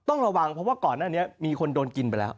ต้องระวังเพราะว่าก่อนหน้านี้มีคนโดนกินไปแล้ว